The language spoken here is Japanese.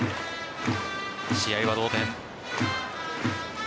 試合は同点。